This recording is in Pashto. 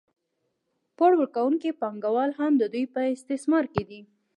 پور ورکوونکي پانګوال هم د دوی په استثمار کې دي